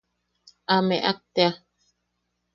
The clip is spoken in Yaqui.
A meak tea.